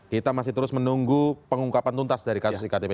kita masih terus menunggu pengungkapan tuntas dari kasus iktp